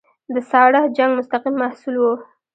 د ساړه جنګ مستقیم محصول وو.